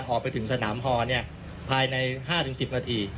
ออกไปถึงสนามฮอลภายใน๕๑๐นาที